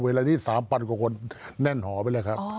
เวลานี้๓๐๐กว่าคนแน่นหอไปเลยครับ